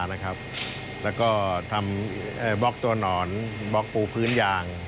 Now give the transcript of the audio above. แล้วก็ทำบล็อกตัวหนอนบล็อกปูพื้นยาง